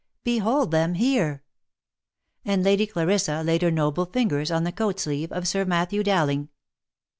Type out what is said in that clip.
Behold them here !" and Lady Clarissa laid her noble fingers on the coat sleeve of Sir Matthew Dowling.